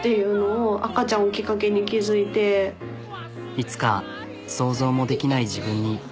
いつか想像もできない自分に。